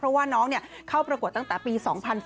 เพราะว่าน้องเข้าประกวดตั้งแต่ปี๒๐๑๘